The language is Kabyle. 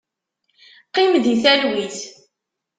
Qim di talwit!